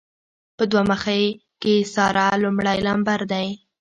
په دوه مخۍ کې ساره لمړی لمبر ده.